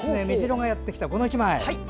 メジロがやってきたこの１枚。